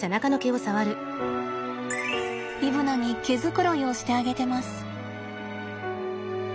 イブナに毛繕いをしてあげてます。